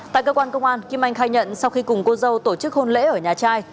tại cơ quan công an kim anh khai nhận sau khi cùng cô dâu tổ chức hôn lễ ở nhà trai